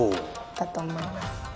だと思います。